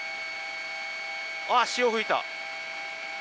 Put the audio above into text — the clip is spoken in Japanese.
あっ、潮吹いた！